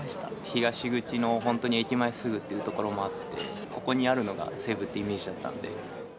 東口の本当に駅前すぐっていうところもあって、ここにあるのが西武っていうイメージだったんで。